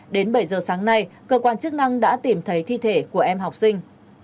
đến bảy giờ sáng nay cơ quan chức năng đã tìm thấy thi thể của em học sinh